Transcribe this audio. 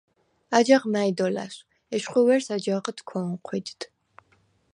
აჯაღ მა̄̈ჲ დო ლა̈სვ, ეშხუ ვერს აჯაღჷდ ქო̄ნჴვიდდ.